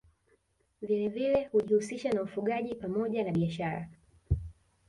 Vilevile hujihusisha na ufugaji pamoja na biashara